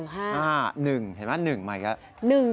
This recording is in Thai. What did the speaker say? ๑เห็นไหม๑ใหม่แล้ว